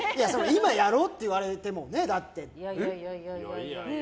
今、やろうって言われてもねだって。